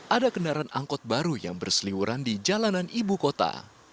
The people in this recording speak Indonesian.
ada kendaraan angkot baru yang berseliwuran di jalanan ibu kota